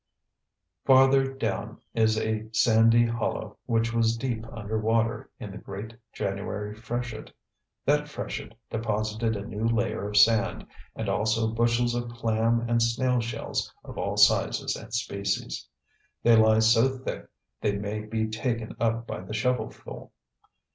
Farther down is a sandy hollow which was deep under water in the great January freshet. That freshet deposited a new layer of sand and also bushels of clam and snail shells of all sizes and species. They lie so thick they may be taken up by the shovelful.